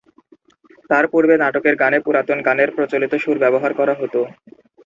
তার পূর্বে নাটকের গানে পুরাতন গানের প্রচলিত সুর ব্যবহার করা হত।